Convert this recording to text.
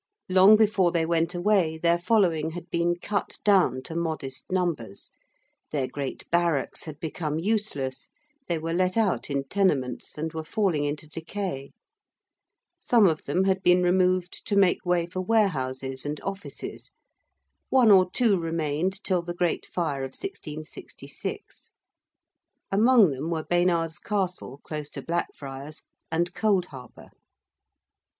Long before they went away their following had been cut down to modest numbers: their great barracks had become useless: they were let out in tenements, and were falling into decay: some of them had been removed to make way for warehouses and offices: one or two remained till the Great Fire of 1666. Among them were Baynard's Castle, close to Blackfriars, and Cold Harbour.